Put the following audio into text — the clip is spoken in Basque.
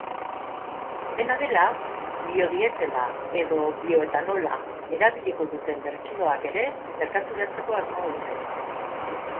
Dena dela, biodiesela edo bioetanola erabiliko duten bertsioak ere merkaturatzeko asmoa dute.